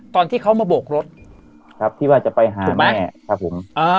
ตอนที่เขามาโบกรถครับที่ว่าจะไปหาแม่ครับผม